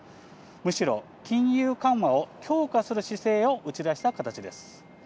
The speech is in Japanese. むしろ金融緩和を強化する姿勢を打ち出した形です。